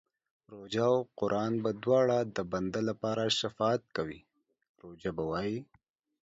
روژه او قران به دواړه د بنده لپاره شفاعت کوي، روژه به وايي